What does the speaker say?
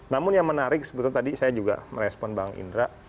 namun yang menarik sebetulnya tadi saya juga merespon bang indra